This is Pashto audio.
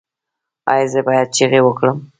ایا زه باید چیغې وکړم؟